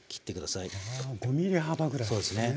あ５ｍｍ幅ぐらいですね。